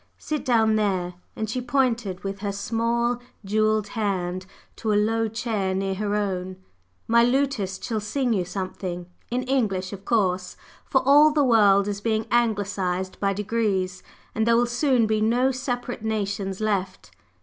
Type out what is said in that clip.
Sit down there," and she pointed with her small jewelled hand to a low chair near her own. "My lutist shall sing you something, in English, of course! for all the world is being Anglicized by degrees, and there will soon be no separate nations left.